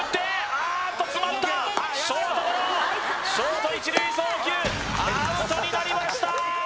あっと詰まったショートゴロショート一塁送球アウトになりました！